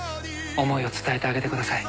思いを伝えてあげてください」